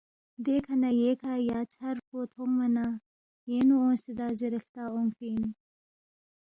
دیکھہ نہ ییکھہ یا ژھر پو تھونگما نہ یینگ نُو اونگسیدا زیرے ہلتا اونگفی اِن